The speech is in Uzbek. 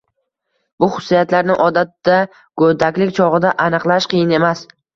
Bu xususiyatlarni odatda go‘daklik chog‘ida aniqlash qiyin emas.